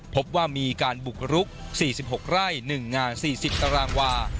พบว่ามีการบุกรุก๔๖ไร่๑งาน๔๐ตารางวา